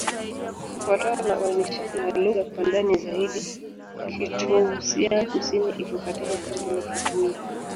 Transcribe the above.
Kufuatana na uainishaji wa lugha kwa ndani zaidi, Kitoussian-Kusini iko katika kundi la Kigur.